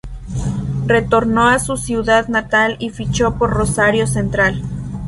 Retornó a su ciudad natal y fichó por Rosario Central.